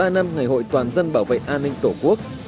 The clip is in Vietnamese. một mươi ba năm ngày hội toàn dân bảo vệ an ninh tổ quốc